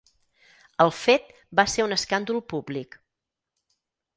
El fet va ser un escàndol públic.